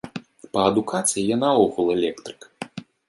Па адукацыі я наогул электрык.